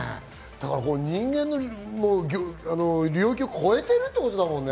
人間の領域を超えているってことだもんね。